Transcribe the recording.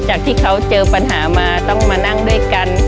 จากที่เขาเจอปัญหามาต้องมานั่งด้วยกัน